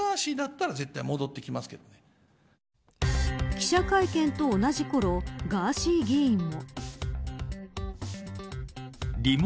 記者会見と同じころガーシー議員も。